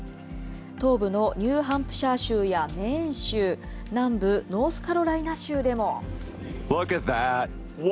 東部のニューハンプシャー州やメーン州、南部ノースカロライナ州でも。